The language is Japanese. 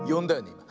いま。